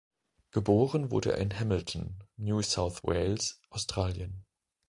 Geboren wurde er in Hamilton, New South Wales, Australien.